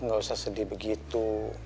nggak usah sedih begitu